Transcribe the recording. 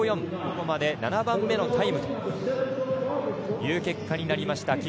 ここまで７番目のタイムという結果になりました。